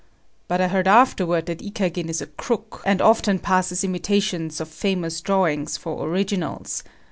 But I heard afterward that Ikagin is a crook and often passes imitation of famous drawings for originals.